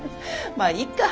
まあいっか。